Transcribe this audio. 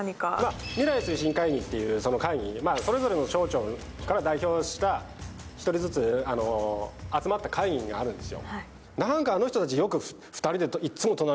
未来推進会議という会議にそれぞれの省庁から代表した１人ずつ集まった会議があるんですよ。